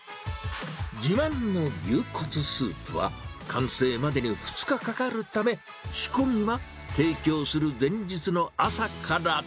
自慢の牛骨スープは、完成までに２日かかるため、仕込みは提供する前日の朝から。